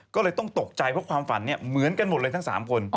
ก็เลยต้องตกใจเพราะความฝันเหมือนกันหมดเลยทั้ง๓คน